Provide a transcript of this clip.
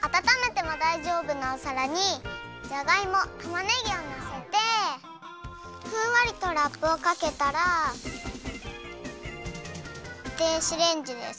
あたためてもだいじょうぶなおさらにじゃがいもたまねぎをのせてふんわりとラップをかけたら電子レンジで３分。